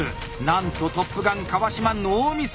なんとトップガン川島ノーミス！